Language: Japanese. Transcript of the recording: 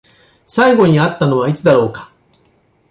最後に会ったのはいつだろうか？